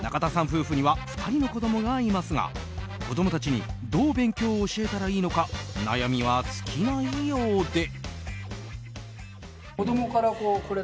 夫婦には２人の子供がいますが子供たちにどう勉強を教えたらいいのか悩みは尽きないようで。